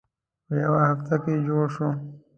په یوه هفته کې جوړ شوم.